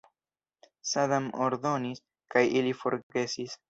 Sadam ordonis, kaj ili forgesis.